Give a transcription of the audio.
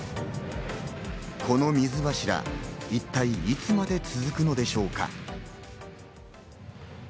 この水柱、一体いつまで続くのでしょうか。